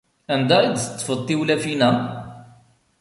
Anda i d-teṭṭfeḍ tiwlafin-a?